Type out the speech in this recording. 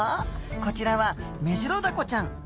こちらはメジロダコちゃん。